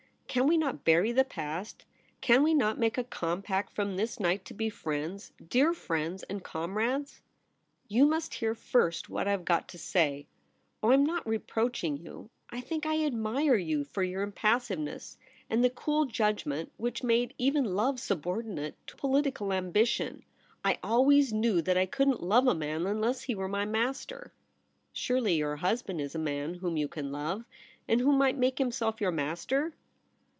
Can we not bury the past ? Can we not ON THE TERRACE. 53 make a compact from this night to be friends — dear friends and comrades ?'' You must hear first what I have got to say. Oh, I'm not reproaching you. I think I admire you for your impassiveness, and the cool judgment which made even love subor dinate to political ambition. I always knew that I couldn't love a man unless he were my master.' * Surely your husband is a man whom you can love, and who might make himself your master